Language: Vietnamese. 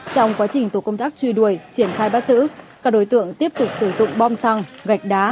trong quá trình tổ công tác truy đuổi triển khai bắt giữ các đối tượng tiếp tục sử dụng bom xăng gạch đá